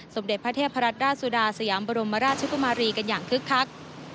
สมเด็จพระเทพรัตนราชสุดาสยามบรมราชกุมารีกันอย่างคึกคัก